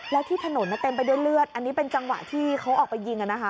แล้วที่ถนนเต็มไปด้วยเลือดอันนี้เป็นจังหวะที่เขาออกไปยิง